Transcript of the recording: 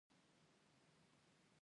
په دوه طرفه سړکونو کې وسایط مخالف تګ کوي